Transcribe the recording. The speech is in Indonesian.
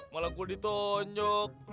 malah gue ditonjok